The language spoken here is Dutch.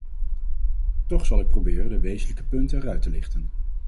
Toch zal ik proberen de wezenlijke punten eruit te lichten.